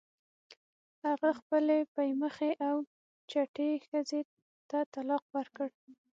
هغه خپلې پی مخې او چټې ښځې ته طلاق ورکړ.